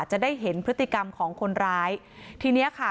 จะได้เห็นพฤติกรรมของคนร้ายทีเนี้ยค่ะ